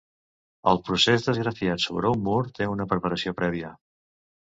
El procés d'esgrafiat sobre un mur té una preparació prèvia.